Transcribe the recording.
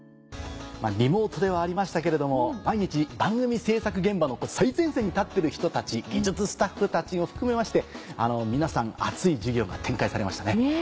リモートではありましたけれども毎日番組制作現場の最前線に立ってる人たち技術スタッフたちを含めまして皆さん熱い授業が展開されましたね。